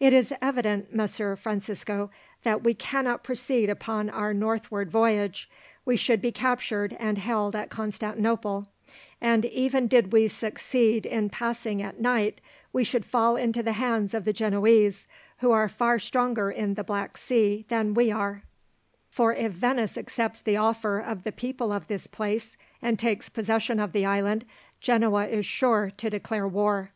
"It is evident, Messer Francisco, that we cannot proceed upon our northward voyage. We should be captured and held at Constantinople; and, even did we succeed in passing at night, we should fall into the hands of the Genoese who are far stronger in the Black Sea than we are for if Venice accepts the offer of the people of this place, and takes possession of the island, Genoa is sure to declare war.